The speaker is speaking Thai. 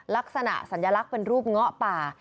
ลักษณะสัญลักษณ์เป็นรูปเงาะป่า